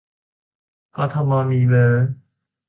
กทมมีเบอร์